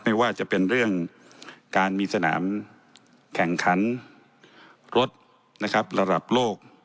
ไม่ว่าจะเป็นเรื่องการมีสนามแข่งขันรถนะครับระดับโลก